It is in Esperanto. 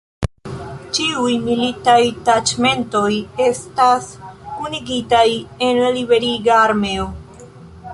Ĉiuj militaj taĉmentoj estas kunigitaj en la Liberiga Armeo.